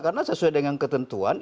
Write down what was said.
karena sesuai dengan ketentuan